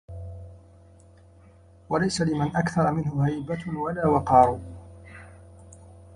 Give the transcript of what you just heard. وَلَيْسَ لِمَنْ أَكْثَرَ مِنْهُ هَيْبَةٌ وَلَا وَقَارٌ